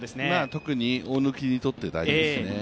特に大貫にとって大事ですね。